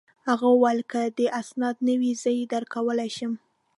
هغه وویل: که دي اسناد نه وي، زه يې درکولای شم.